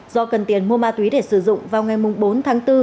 do cần tiền mua ma túy để sử dụng vào ngày bốn tháng bốn